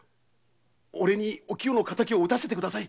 俺におきよの敵を討たせてください！